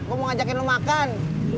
gua mau ngajakin lu makan